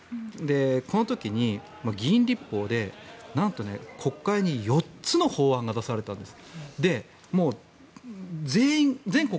この時に議員立法でなんと国会に４つの法案が出されたんです。